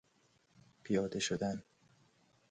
پیاده شدن